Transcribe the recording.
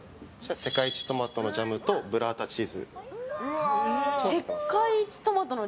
世界一トマトのジャムとブラータチーズ。